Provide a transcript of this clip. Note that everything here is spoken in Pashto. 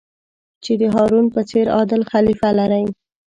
چې د هارون په څېر عادل خلیفه لرئ.